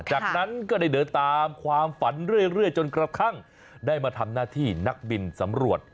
จากนั้นก็ได้เดินตามความฝันเรื่อยจนกระทั่งได้มาทำหน้าที่นักบินสำรวจ